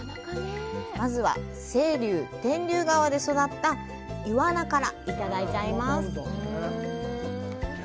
まずは、清流・天竜川で育ったイワナからいただいちゃいます！